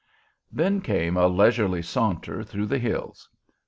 Then came a leisurely saunter through the Hills.